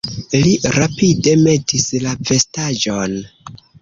Li rapide metis la vestaĵon.